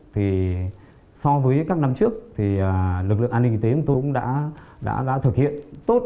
thì so với các năm trước thì lực lượng an ninh kinh tế cũng đã thực hiện tốt